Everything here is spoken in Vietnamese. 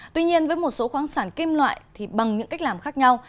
tuy nhiên với một số khoáng sản kim loại thì bằng những cách làm khác nhau